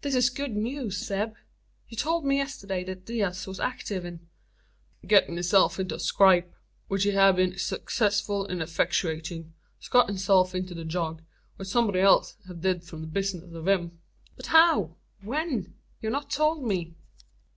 "This is good news, Zeb. You told me yesterday that Diaz was active in " "Gittin' hisself into a scrape, which he hev been successful in effectuatin'. He's got hisself into the jug, or someb'y else hev did thet bizness for him." "But how when you've not told me?"